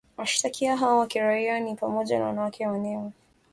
Washtakiwa hao wa kiraia ni pamoja na wanawake wanewa